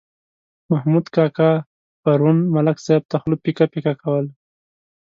محمود کاکا پرون ملک صاحب ته خوله پیکه پیکه کوله.